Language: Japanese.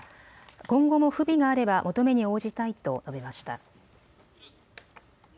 今後も不備があれば求めに応じたいと述べました。